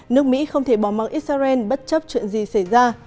nước mỹ không thể bỏ mặt israel bất chấp chuyện gì xảy ra